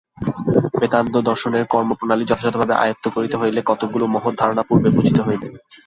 বেদান্ত-দর্শনের কর্মপ্রণালী যথাযথভাবে আয়ত্ত করিতে হইলে কতকগুলি মহৎ ধারণা পূর্বে বুঝিতে হইবে।